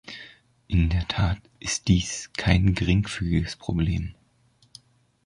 In der Tat ist dies kein geringfügiges Problem.